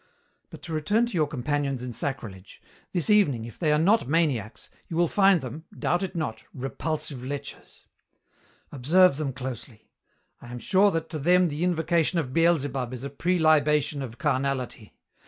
But to return to your companions in sacrilege. This evening, if they are not maniacs, you will find them doubt it not repulsive lechers. Observe them closely. I am sure that to them the invocation of Beelzebub is a prelibation of carnality.